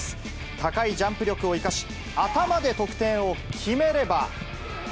高いジャンプ力を生かし、頭で得点を決めれば。